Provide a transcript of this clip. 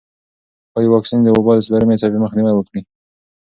ښايي واکسین د وبا د څلورمې څپې مخنیوی وکړي.